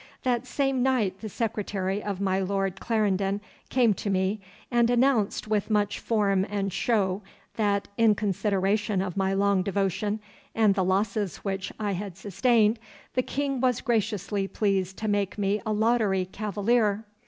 That same night the secretary of my Lord Clarendon came to me, and announced with much form and show that, in consideration of my long devotion and the losses which I had sustained, the King was graciously pleased to make me a lottery cavalier.